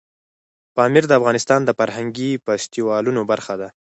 پامیر د افغانستان د فرهنګي فستیوالونو برخه ده.